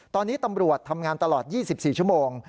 ตอนนี้ตำรวจทำงานตลอด๒๔ชั่วโมง